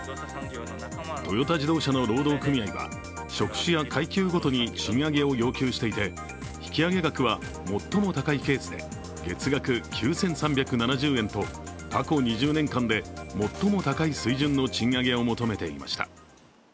トヨタ自動車の労働組合は職種や階級ごとに賃上げを要求していて引き上げ額は最も高いケースで月額９３７０円と過去２０年間で最も高い水準の賃上げを求めていました。